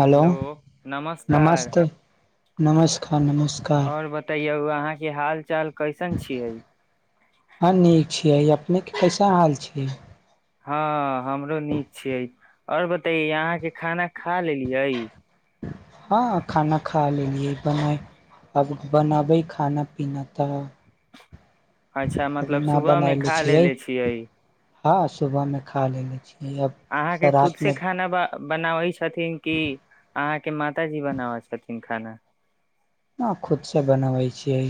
Hello नमस्कार नमस्ते नमस्कार नमस्कार कियो अहाँके हाल चाल कैसन छियै हँ नीक छियै अपने के कैसा हाल छियै हँ हमरो नीक छियै आओर बतैयै अहाँके खाना खा लेलियै हँ खाना खा लेलियै बनाय अब बनाबै खाना पीना तऽ अच्छा अभी मतलब न सुबह मे बनयले खा लेलेे छियै हँ सुबह में खा लेने छियै अयब अहाँके खुद सरात से मे खाना ब बनाबै छै छथिन कि अहाँके माताजी बनाबै छथिन खाना न खुद से बनावै छियै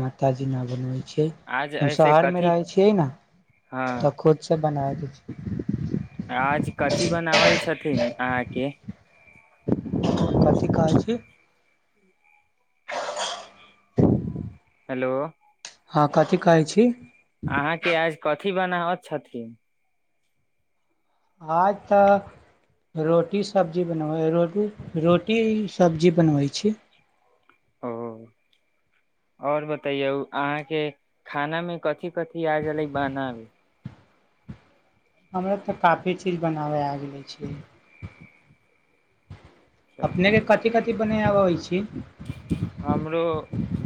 मात जी ना बनबै छिय आज हम ऐसे शहर मे कथी रहै छियै ने हँ तऽ खुद सब बना दै छी आज कथि बनाबै छथिन अहाँके कथी कहै छी [inaudible] हेलो हँ कथी कहै छी अहाँके आज क की बनाब छथि आज तऽ रोटी सब्जी बनबै रोटी रोटी सब्जी बनबै छी ओ आओर बतैयौ अहाँके खाना मे कथि कथि आ गेलै बना हमरा तऽ काफी चीज बनाबय आब गेलै छै चल अपनेके कथि कथि बनाबबै छी हमरो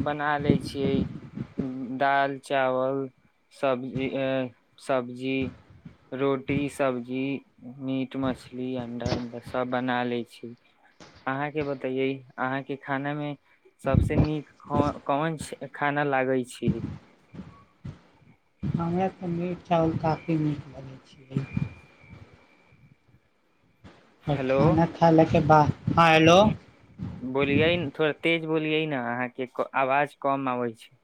बना ले छियै दाल चावल सब्जी सब्जी रोटी सब्जी मीट मछली अंडा उंडा सब बना ले छी अहाँके बतैे अहाँके खाना मे सबस नीक कोन खाना लागै छी हमे तऽ मीट चाावल काफी नीक लगै छैै आओर हेलो खाना खालय के बाद हँ हेलो बोलिय न थोड़ा तेज बोलियै न अहाँके आवाज कम आबै छै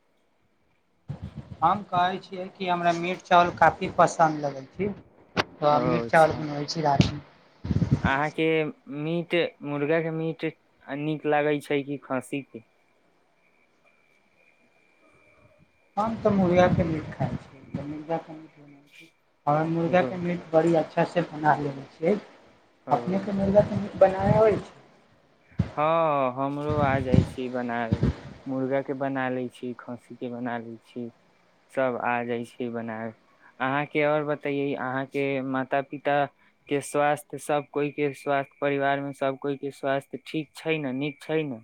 हम कहै छियै कि हमरा मीट चावल काफी पसन्द लगै छै त ओ मिर अच्छा अचार बनैबै छी राति मे अहाँके मीट मुर्गाके मीट नीक लागैत छै कि खाँसीके हम तऽ मुर्गाके मीट खाइत छीयै तऽ मुर्गाके मीट बनल छी हँ मुर्गा एगो कें मीट बढ़ी अच्छा कैसे बना लेने छियै ओ अपने के मिल जातन की बनायब अबै छै हँ हमरो आ जाइत छी बनाब मुर्गाके बना लैत छी खस्सीके बना लैत छी सभ आ जाइत छी बनाय अहाँके आओर बतैयै अहाँके माता पिता के स्वास्थ्य सभ कोइ के स्वास्थ परिवारमे सभ कोइ के स्वास्थ्य तऽ ठीक छै ने नीक छै ने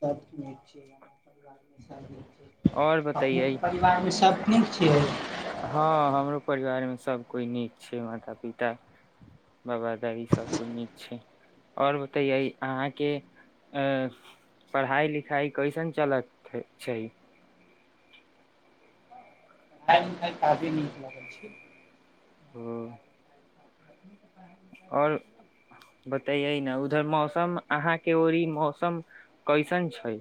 सभ नीक छै परिवार मे सभ नीक छै और बतैयै अपनेके परिवारमे सब नीक छियै हँ हमरो परिवारमे सभ कोइ नीक छै माता पिता बाबा दादी सभ कोइ नीक छै आओर बतैयै अहाँके अ पढ़ाइ लिखाइ कैसन चलत छै आइ काफी नीक लगय छी [inaudible] आओर बतैयै ने उधर मौसम अहााँके औरी मौसम कइसन छै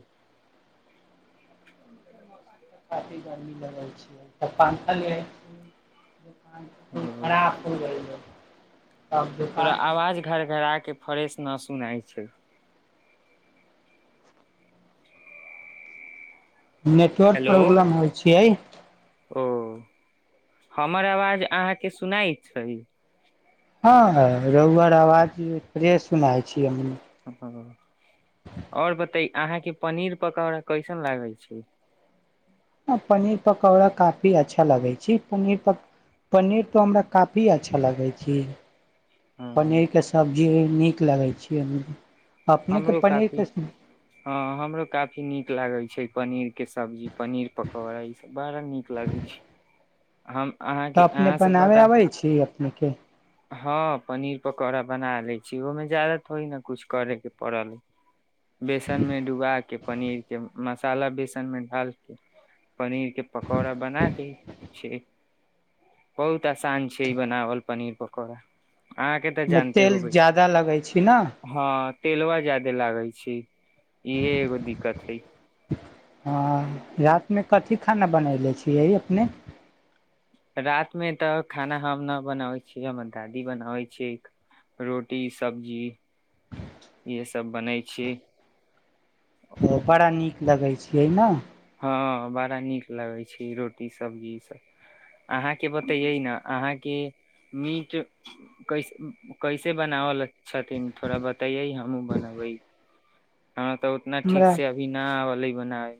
काफी गर्मी लगै छै त पंखा ले आय छिय फोन खराब होय गेयल हइ थोड़ा आवाज घर घराके फ्रेश ना सुनाइ छै नेटवर्क हेलो प्रॉब्लम होइ छियै ओ हमर आवाज अहाँके सुनाइ छै हँ, रुक-रुक कऽ आवाज फ्रीज भऽ सुनाइ दैत अछि। ह आओर बयाइये अहाँ के पनीर पकौड़ा कैसन लागे छै आ पनीर पकौड़ा काफी अच्छा लगै छै। पनीर पक पनीर तऽ हमरा काफी अच्छा लगै छै। हँ, पनीर के सब्जी जे नीक लागै छै। अपने के हमरो पानीर काफी हँ हमरो काफी नीक लागै छै। पनीर के सब्जी पनीर पकौड़ा ई सभ बड़ा नीक लगै छै। हम अहाँके तऽ अपने अहाँ से बनाबे बता आबै छी अपनेके हँ, पनीर पकौड़ा बना ले छी। ओहिमें ज्यादा थोड़ी ने कुछ करे के पढ़त बेसन मे डुबा के पनीर के मसाला बेसन मे डालके पनीर के पकौड़ा बना दी छै बहुत आसान छै ई बनावल पनीर पकौड़ा अहाँके तऽ आईमे जानते तेल होबै ज्यादा लगै छी। ने हँ तेलवा ज्यादे लागै छै। इहे एगो दिक्कत छै हँ रातिमे कथि खाना बनयने छियै अपने रात मे तऽ खाना हम नहि बनाबै छियै हमर दादी बनाबै छियै रोटी सब्जी इह सब बनै छीिय ओ बड़ा नीक लगैत छियै ने हँ बड़ा नीक लगै छै। रोटी सब्जी ई सब अहाँके बतैयै ने अहाँके मीट कैसे कैसे बनावल छथिन थोड़ा बतैयै हमहुँ बनबै हम तऽ उतना ठीक हमरा से अभी न आलै बनाब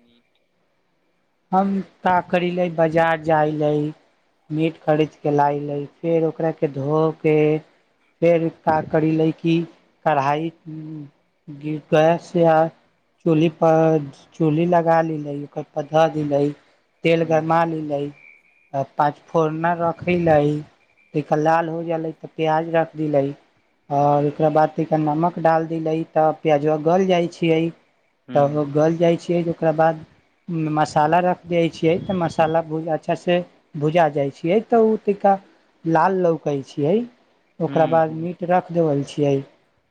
हम तऽ कऽ लेलिऐ। बजार जाइ कऽ मीट किनि आनलिऐ, फेर ओकरा धोएलिऐ। तकरबाद कढ़ाई गैस या चूल्ही पर चढ़ा लेलिऐ। ह द भै तेल ह गरमा ली लै पाँच फोरन देलै तऽ जखन ओ तनिका लाल भऽ जाइ छै, तखन प्याज दऽ देलै। ओकरा बाद नमक दऽ देलै, तऽ प्याज जल्दी गलऽ लगै छै। तब गल जाइ छियै। ओकरा बाद मसाला दऽ दै छियै तऽ ओ नीकसँ भुजाइ छै। जखन मसाला तनिका लाल देखाइ लागै छै, तखन बुझाइ छै जे नीकसँ भुजाइ गेल। ह ओकरा बाद ह मीट रख देबल छी। यीईई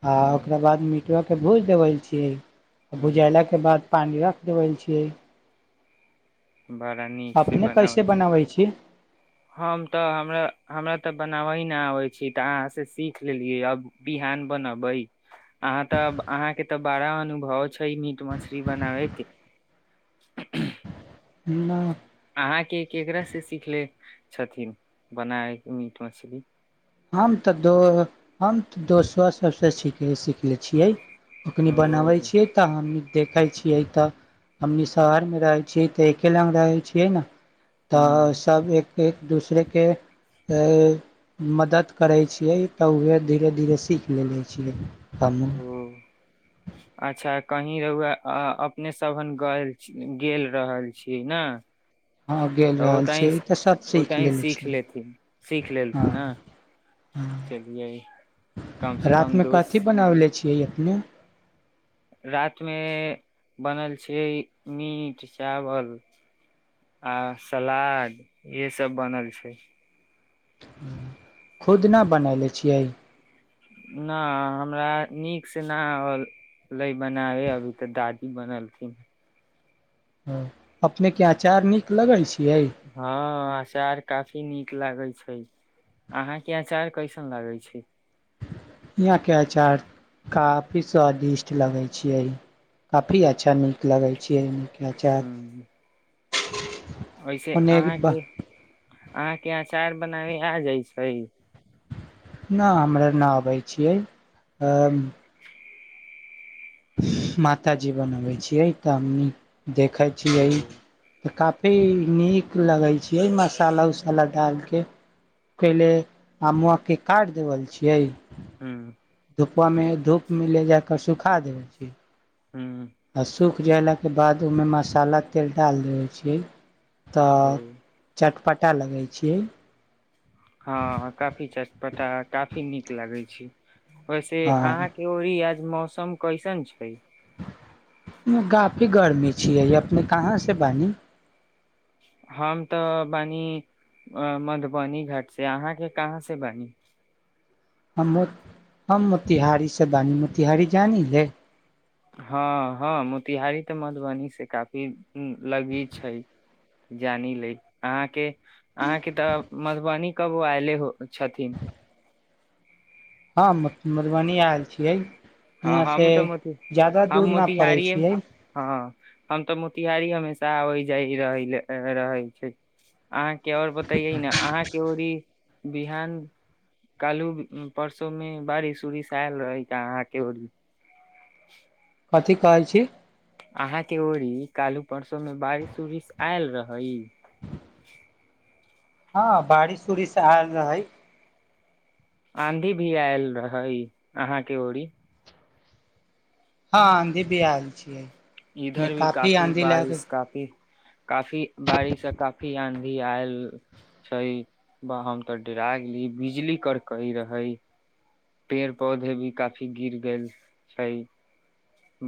आ ह ओकरा बाद मिटक त भुजि देबै छियै ह बुझयला के बाद पानि रखि देबै छियै बड़ा नीक से बनाबै छी हम तऽ हमरा हमरा त बनाबै नहि आबै छी त अहाँ से सीख लेलियै अब बिहान बनबै अहाँ तऽ अहाँके तऽ बड़ा अनुभव छै मीट मछली बनाबैके ना अहाँके केकरास से सीख ले छथिन बनाए मीट मछली हम तऽ दो हम तऽ दोस्तो सभसँ सीख सिखले छियै ओखनी ओ बनावे छीय तऽ हम देख देखै छियै तऽ हमनी शहरमे रहैत छियै तऽ एके लग रहै छियै ने ह तऽ सभ एक एक दूसरेके त मदद करै छियै तऽ वह धीरे धीरे सीख लेेले छियै फामू ओ अच्छा कही रहुए अपने सबन गेल रहल छीय ने हँ गेल तऽ रहल छियै ओतहि ई तऽ सब सीख ओतहि लेले सीख छी लेथिन सीख हँ लेलथिन ने चलियै कम ह से रति कम मे कथि दोस्त बनाले छी के अपने रातिमे बनल छै मीट चावल आ सलाद इहसभ बनल छै खुदना बनयलै छियै ना हमरा नीकसँ नहि अलै बनाबे अभी तऽ दादी बनलखिन ह अपनेके अचार नीक लगैत छै हाँ अचार काफी नीक लागे छै अहाँ के अचार कैसन लागे छै यहाँ के अचार काफी स्वादिष्ट लगे छिये काफी अच्छा नीक लगे छै हुँ [inaudible] ओैसे ओन्ने अहाँके नहि अहाँके अचार बनाबे आ जाइ छै ना हमरा ना अबै छै आ माता जी बनबै छियै तऽ हमनी देखै ओ छियै तऽ कफ पर नीक लगै छैियै मसाला उसाला डालके पहिले हम आमवा के काटि देबल छियै हुँ धुपामे धूप मिले जााक सुखा दे छी ह अस सूख गेलेलाके बाद ओहिमे मसाला तेल डालि दै छियै ओ तऽ चट पटा लेबै छी यै हँ काफी चटपटा काफी नीक लागै छै वैसे हँ अहाँके री याद मौसम कैसन छै काफी गर्मी छियै अपने कहाँ से बनी हम तऽ बनी मधुबनी घाटसँ अहाँके कहाँसँ बनी हम मो हम मोतिहारीसँ बानी मोतिहारी जानी रहे हँ हँ मोतिहारी तऽ मधुबनी से काफी लगी छै जानि ले अहाँके अहाँके तऽ मधुबनी कब आयले हो छथिन हँ म मधुबनी आयल छियै हँ हुआँसँ हम तऽ मोति ज्यादा हम दूर नहि पड़ै मोतिहारिए छियै हँ हम तऽ मोतिहारी हमेशा आबै जा रहै छै अह के आओर बतेयै न अहाँ के र ई बिहान कालू परसो में बारिश उरििश आयल रहै अहाँके बढ़ी [inaudible] कथी कहै छी अहाँं के ओड़ी कालू परसो में बारिश उरिश आयल रहै हँ बारिश उरििश आयल रहै आँधी भी आयल रहै अहाँके ओड़ी हँ आधी भी आयल छियै ने इधर भी काफी आँधी लग बारिश काफी काफी बारिश से काफी आंधी आयल छै हम तऽ डरा गेली बिजली कड़कई रहै पेड़ पौधे भी काफी गिर गेल छै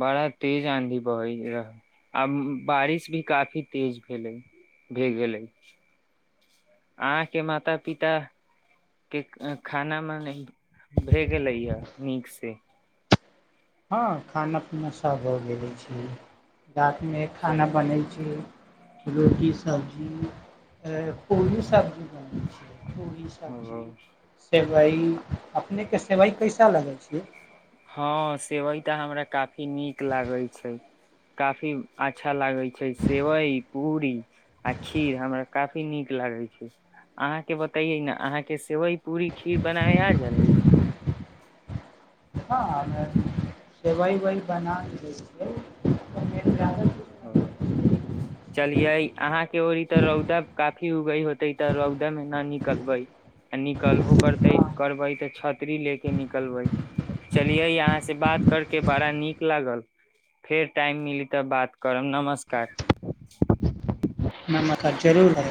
बड़ा तेज आँधी बहै रहै आब बारिश भी काफी तेज भेलै भए गेलै अहाँके माता पितााक के खानामेने भए गेलैए नीकसँ हँ खाना पीना सभ भऽ गेलै छै रतिमे खाना चलियै बनै छै रोटी सब्जी कोली सब्जी बनै छियै ो सब्जी ओ सेवई अपने के से भइ कैसा लगै छी हँ सेवइ तऽ हमरा काफी नीक लागैत छै काफी अच्छा लागैत छै सेवइ पूरी आ खीर हमरा काफी नीक लागैत छै अहाँके बतैयै ने अहाँके सेवइ पूड़री खीर बनाय छलै हँ हमे सेवइ वइ बना लै छियै जादा ओ किछु नहि चलिय अहाँके के ओी तऽ रौदा काफी उगई होते तऽ रौदा में ना निकलबे आ निकलबो करतै हँ करबै तऽ छतरी लेके निकलबै चलियै अहाँ से बात करके बड़ा नीक लागल फेर टाइम मिली तऽ बात करम नमस्कार नमकार जरूर ह